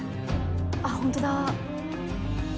あっ本当だ。